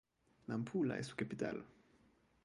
Nampula es su capital.